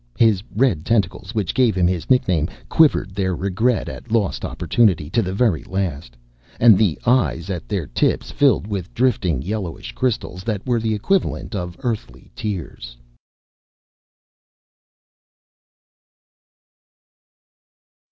His red tentacles, which gave him his nickname, quivered their regret at lost opportunity to the very last, and the eyes at their tips filled with drifting yellowish crystals that were the equivalent of Earthly tears.